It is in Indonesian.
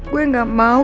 gue gak mau